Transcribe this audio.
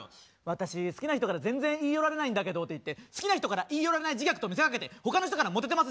「私好きな人から全然言い寄られないんだけど」って言って好きな人から言い寄られない自虐と見せかけて他の人からモテてます